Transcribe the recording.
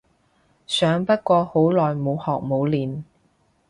想不過好耐冇學冇練